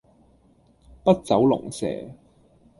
筆走龍蛇